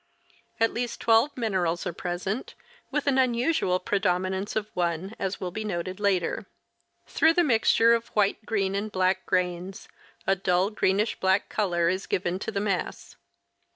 At least twelve minerals are present, with an unusual predominance of one, as will be noted later. Through the mixture of white, green, and black grains, a dull greenish black color is given to the mass.